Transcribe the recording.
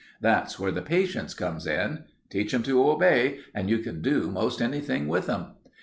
That's where the patience comes in. Teach 'em to obey, and you can do most anything with 'em."